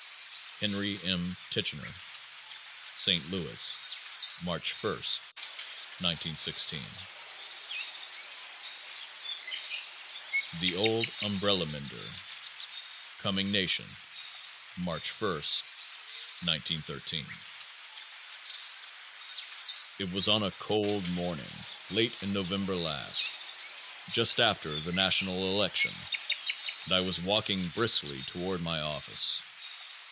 _ HENRY M. TICHENOR. St. Louis, March 1, 1916. MISCELLANY THE OLD UMBRELLA MENDER. Coming Nation, March 1, 1913. It was on a cold morning late in November last, just after the national election, and I was walking briskly toward my office.